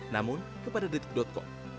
namun kepada detik com